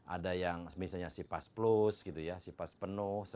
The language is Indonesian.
ada yang misalnya sipas plus gitu ya sipas penuh